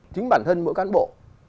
chính bản thân mỗi cán bộ